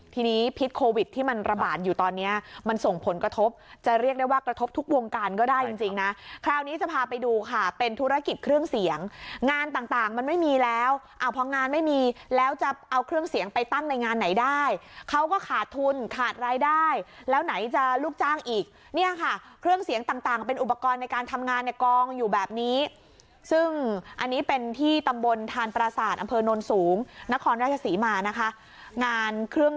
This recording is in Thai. ทีนี้พิษโควิดที่มันระบาดอยู่ตอนนี้มันส่งผลกระทบจะเรียกได้ว่ากระทบทุกวงการก็ได้จริงจริงนะคราวนี้จะพาไปดูค่ะเป็นธุรกิจเครื่องเสียงงานต่างต่างมันไม่มีแล้วอ่าเพราะงานไม่มีแล้วจะเอาเครื่องเสียงไปตั้งในงานไหนได้เขาก็ขาดทุนขาดรายได้แล้วไหนจะลูกจ้างอีกเนี่ยค่ะเครื่องเสียงต่างต่างเป็นอุปกรณ